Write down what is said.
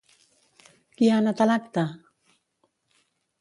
Qui ha anat a l'acte?